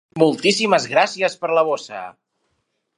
Moltíssimes gràcies per la bossa.